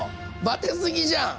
バテすぎじゃん。